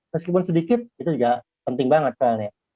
meskipun sedikit itu juga penting banget soalnya